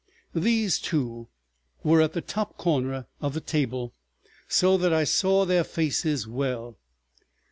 These two were at the top corner of the table, so that I saw their faces well.